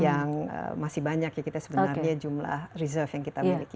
yang masih banyak ya kita sebenarnya jumlah reserve yang kita miliki